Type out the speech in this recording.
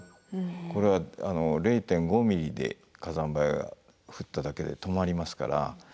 これは０．５ミリで火山灰が降っただけで止まりますから。